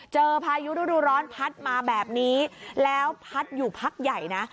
พายุฤดูร้อนพัดมาแบบนี้แล้วพัดอยู่พักใหญ่นะ